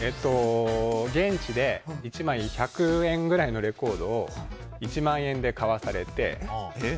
現地で１枚１００円ぐらいのレコードを１万円で買わされて。